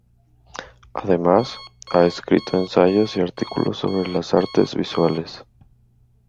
Además, ha escrito ensayos y artículos sobre las artes visuales.